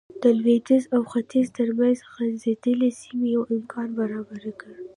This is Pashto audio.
د لوېدیځ او ختیځ ترمنځ غځېدلې سیمه یو امکان برابر کړ.